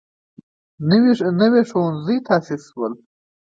نوي ښوونځي تاسیس شول.